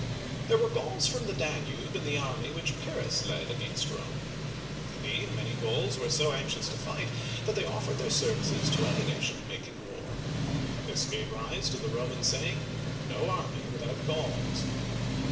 There were Gauls from the Danube in the army which Pyr'rhus led against Rome.^ Indeed, many Gauls were so anxious to fight that they offered their services to any nation making war. This gave rise to the Roman saying, " No army without Gauls."